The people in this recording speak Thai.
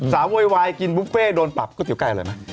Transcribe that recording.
สาวโยยวายกินบุฟเฟ่โดนปรับก๋วยเตี๋ยวไก่อร่อยไหม